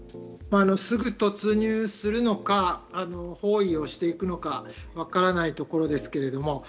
すぐ突入するのか包囲をしていくのか分からないところですけれども。